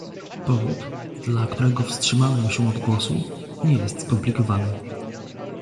Powód, dla którego wstrzymałem się od głosu, nie jest skomplikowany